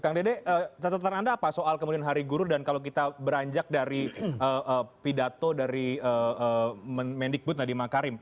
kang dede catatan anda apa soal kemudian hari guru dan kalau kita beranjak dari pidato dari mendikbud nadiem makarim